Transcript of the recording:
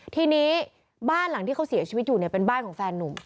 ทีนี้บ้านหลังที่เขาเสียชีวิตอยู่เนี่ยเป็นบ้านของแฟนนุ่ม